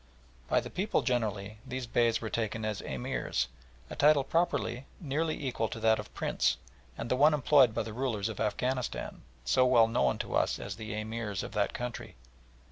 By the people generally, these Beys were spoken of as Emirs, a title properly nearly equal to that of Prince, and the one employed by the rulers of Afghanistan, so well known to us as the Ameers of that country.